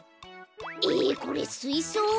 えこれすいそう？ん？